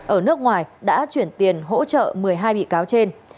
ở nước ngoài đã chuyển tiền hỗ trợ một mươi hai bị cáo trên